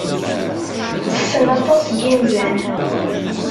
Tessen aṭas n yinzan.